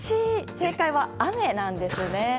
正解は雨なんです。